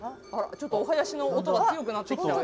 ちょっとお囃子の音が強くなってきたよ。